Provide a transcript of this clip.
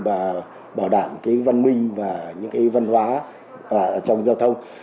và bảo đảm văn minh và văn hóa trong giao thông